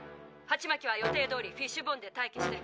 ハチマキは予定どおりフィッシュボーンで待機して」。